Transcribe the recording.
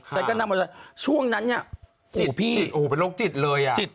ฉันก็นำกันเลยช่วงนั้นอ่ะอุเป็นรกจิตเลยอ่ะ